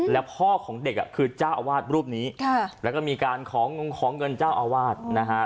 แล้วพ่อของเด็กอ่ะคือเจ้าอาวาสรูปนี้แล้วก็มีการของงงของเงินเจ้าอาวาสนะฮะ